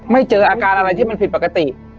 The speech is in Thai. เจออาการอะไรที่มันผิดปกติ